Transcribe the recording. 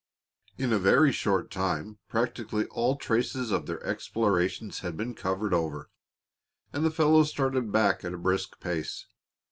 In a very short time practically all traces of their explorations had been covered over, and the fellows started back at a brisk pace.